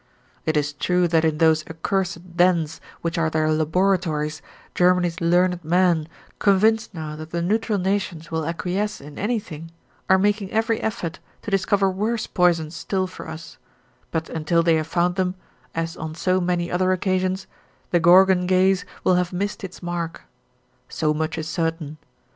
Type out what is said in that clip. It is true that in those accursed dens which are their laboratories, Germany's learned men, convinced now that the neutral nations will acquiesce in anything, are making every effort to discover worse poisons still for us, but until they have found them, as on so many other occasions, the Gorgon gaze will have missed its mark. So much is certain.